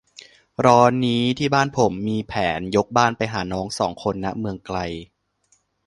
ร้อนนี้ที่บ้านมีแผน ยกบ้านไปหาน้องสองคน ณ เมืองไกล